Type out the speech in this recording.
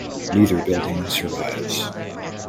Neither building survives.